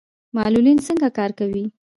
معلولین څنګه کار کوي؟